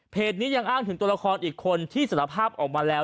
นี้ยังอ้างถึงตัวละครอีกคนที่สารภาพออกมาแล้ว